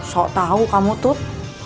sok tau kamu tut